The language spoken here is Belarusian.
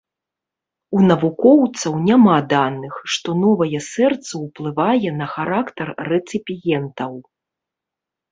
У навукоўцаў няма даных, што новае сэрца ўплывае на характар рэцыпіентаў.